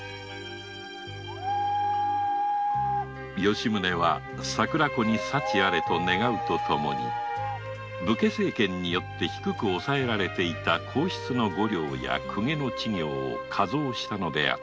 吉宗は桜子に幸あれと願うとともに武家政権によって低く抑えられていた皇室の御料や公家の知行を加増したのである